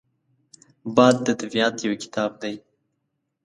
باد د طبیعت یو کتاب دی